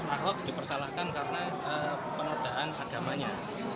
ahok dipersalahkan karena penodaan agamanya